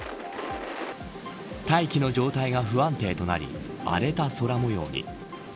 大気の状態が不安定となり荒れた空模様に。